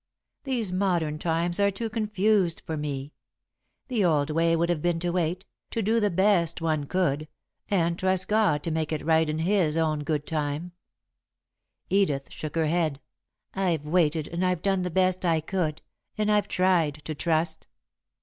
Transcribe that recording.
These modern times are too confused for me. The old way would have been to wait, to do the best one could, and trust God to make it right in His own good time." [Sidenote: Invited to Stay] Edith shook her head. "I've waited and I've done the best I could, and I've tried to trust."